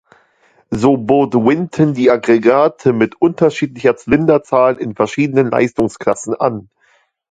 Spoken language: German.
So bot Winton die Aggregate mit unterschiedlicher Zylinderzahl in verschiedenen Leistungsklassen an.